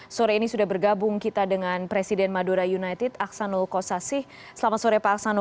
sore ini sudah bergabung kita dengan presiden madura united aksanul kossasih selamat sore pak aksanul